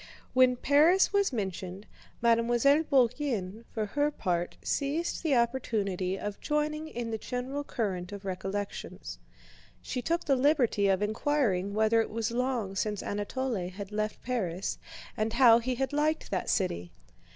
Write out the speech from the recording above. When Paris was mentioned, Mademoiselle Bourienne for her part seized the opportunity of joining in the general current of recollections. She took the liberty of inquiring whether it was long since Anatole had left Paris and how he had liked that city.